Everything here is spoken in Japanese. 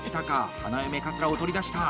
花嫁かつらを取り出した。